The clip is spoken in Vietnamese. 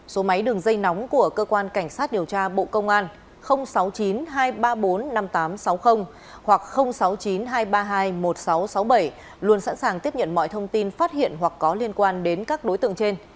số máy đường dây nóng của cơ quan cảnh sát điều tra bộ công an sáu mươi chín hai trăm ba mươi bốn năm nghìn tám trăm sáu mươi hoặc sáu mươi chín hai trăm ba mươi hai một nghìn sáu trăm sáu mươi bảy luôn sẵn sàng tiếp nhận mọi thông tin phát hiện hoặc có liên quan đến các đối tượng trên